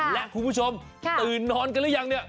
และคุณผู้ชมตื่นนอนกันหรือยังเนี่ย